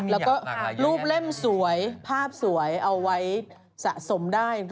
แล้วก็รูปเล่มสวยภาพสวยเอาไว้สะสมได้